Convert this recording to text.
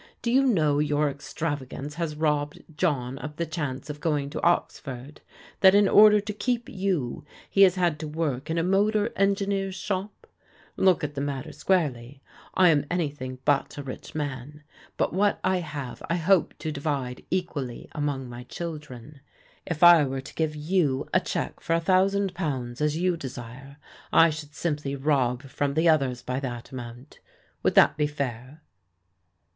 Do you know your extravagance has robbed John of the chance of going to Oxford — that in order to keep you, he has had to work in a motor engineer's shop? Look at the matter squarely. I am anything but a rich man, but what I have I hope to divide equally among my children. If I were to give you a check for a thousand pounds as you desire, I should simply rob from the others by that amount. Would that be fair?"